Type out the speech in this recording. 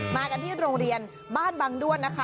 มากันที่โรงเรียนบ้านบางด้วนนะคะ